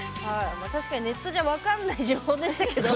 まあ確かにネットじゃ分かんない情報でしたけど。